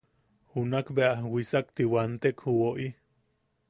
Junak bea wisakti wantek ju woʼi;.